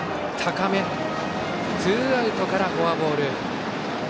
ツーアウトからフォアボール。